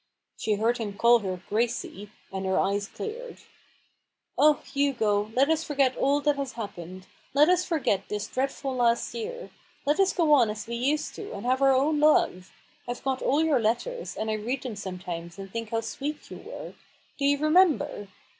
She heard him call her " Gracie," and her eves cleared. «■" Oh, Hugo, let us forget all that has hap pened. Let us forget this dreadfwl last year. Let us go on as we used to, and have our own love, I've got all your letters, and I read them sometimes and think how sweet you were. Do you remember